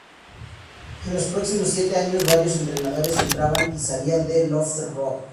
En los próximos siete años, varios entrenadores entraban y salían de Loftus Road.